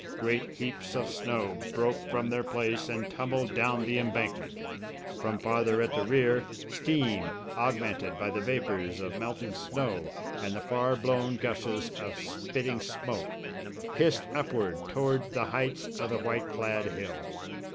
Great heaps of snow broke from their place and tumbled down the embankment. From farther at the rear, steam, augmented by the vapours of melting snow and the far blown gushes of spitting smoke, hissed upward toward the heights of the white clad hill.